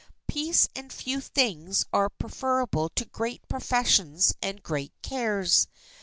"Peace and few things are preferable to great professions and great cares."